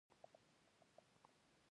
موسکا ارزانه ده.